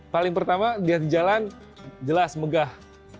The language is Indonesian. paling pertama jalan jelas megah